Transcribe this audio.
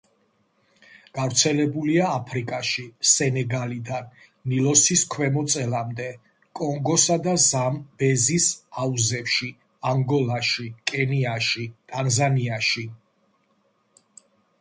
გავრცელებულია აფრიკაში, სენეგალიდან ნილოსის ქვემო წელამდე, კონგოსა და ზამბეზის აუზებში, ანგოლაში, კენიაში, ტანზანიაში.